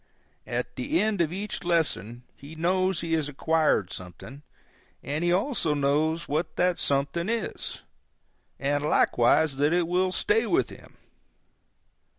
At the end of each lesson he knows he has acquired something, and he also knows what that something is, and likewise that it will stay with him.